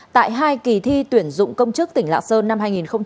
tại hai kỳ thi tuyển dụng công chức tỉnh lạng sơn năm hai nghìn hai mươi